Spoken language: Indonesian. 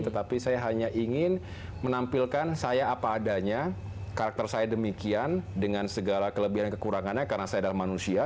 tetapi saya hanya ingin menampilkan saya apa adanya karakter saya demikian dengan segala kelebihan dan kekurangannya karena saya adalah manusia